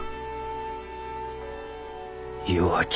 弱き